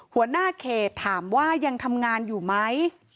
หัวหน้าเขตถามว่ายังทำงานอยู่ไหม